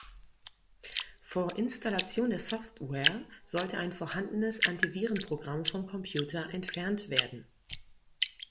Vor Installation der Software sollte ein vorhandenes Antivirenprogramm vom Computer entfernt werden.